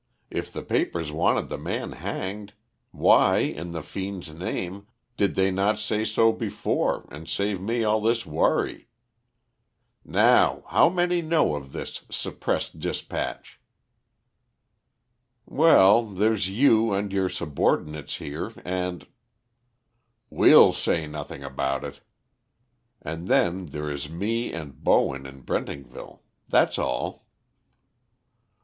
If the papers wanted the man hanged, why, in the fiend's name, did they not say so before, and save me all this worry? Now how many know of this suppressed dispatch?" "Well, there's you and your subordinates here and " "We'll say nothing about it." "And then there is me and Bowen in Brentingville. That's all."